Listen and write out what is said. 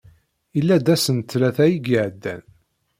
Yella-d ass n ttlata i iɛeddan.